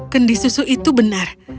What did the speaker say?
kendi susu itu benar